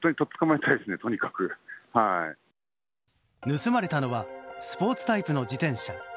盗まれたのはスポーツタイプの自転車。